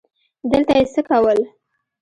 دلته یې څه کول ؟